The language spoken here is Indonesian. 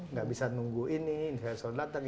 nggak bisa nunggu ini investor datang